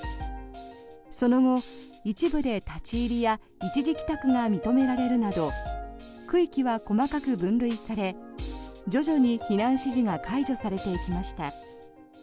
その後、一部で立ち入りや一時帰宅が認められるなど区域は細かく分類され徐々に避難指示が解除されていきました。